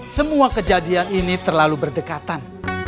semua kejadian ini terlalu berdekatan